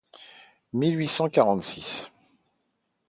mille huit cent quarante-six